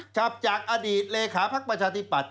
จับจากอดีตเลยค้าภักพชาธิปัตย์